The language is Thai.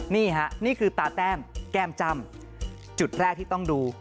นี่ค่ะนี่คือตาแต้มแก้มจ้ำจุดแรกที่ต้องดู